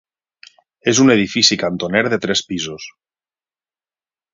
És un edifici cantoner de tres pisos.